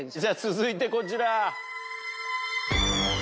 続いてこちら。